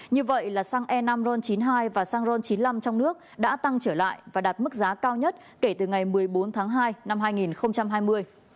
như vậy là xăng e năm ron chín mươi hai và xăng ron chín mươi năm trong nước đã tăng trở lại và đạt mức giá cao nhất kể từ ngày một mươi bốn tháng hai năm hai nghìn hai mươi